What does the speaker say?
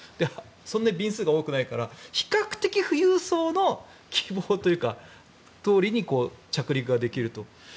そんなに便数が多くないから比較的富裕層の希望どおりというか着陸ができると。